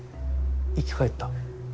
生き返った？